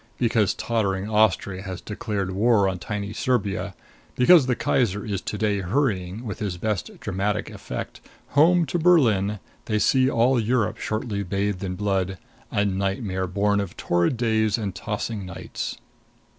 Because tottering Austria has declared war on tiny Serbia, because the Kaiser is to day hurrying, with his best dramatic effect, home to Berlin, they see all Europe shortly bathed in blood. A nightmare born of torrid days and tossing nights!